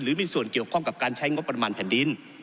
หรือมีส่วนเกี่ยวข้องกับการใช้งบประมาณแผ่นดิน